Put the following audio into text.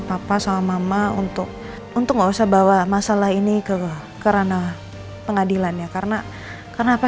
papa sama mama untuk untuk gak usah bawa masalah ini ke kerana pengadilan ya karena apa